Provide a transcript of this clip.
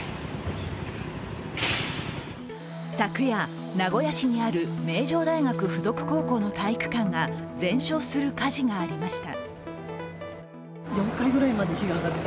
昨夜、名古屋市にある名城大学附属高校の体育館が全焼する火事がありました。